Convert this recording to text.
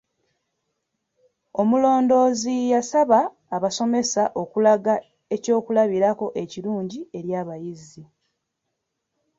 Omulondoozi yasaba abasomesa okulaga ekyokulabirako ekirungi eri abayizi.